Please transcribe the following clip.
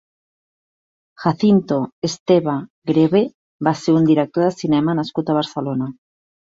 Jacinto Esteva Grewe va ser un director de cinema nascut a Barcelona.